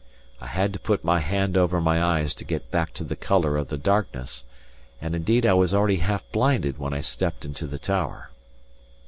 I had to put my hand over my eyes to get back to the colour of the darkness; and indeed I was already half blinded when I stepped into the tower.